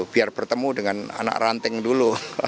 biar bertemu dengan anak ranting dulu